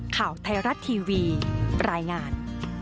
ข่าวไทยรัฐทีวีรายงาน